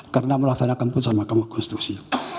karena melaksanakan putusan mahkamah konstitusi